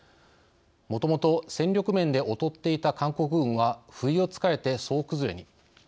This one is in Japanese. もともと戦力面で劣っていた韓国軍は不意をつかれて総崩れに。